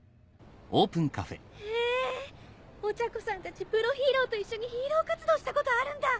へぇお茶子さんたちプロヒーローと一緒にヒーロー活動したことあるんだ！